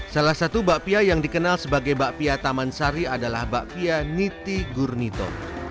salah satu bapak pia yang dikenal sebagai bapak pia taman sari adalah bapak pia niti gurnito